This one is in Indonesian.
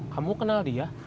kamu kenal dia